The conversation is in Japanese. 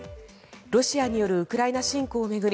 ロシアによるウクライナ侵攻を巡り